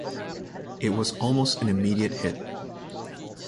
It was almost an immediate hit.